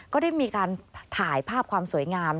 ก็ได้มีการถ่ายภาพความสวยงาม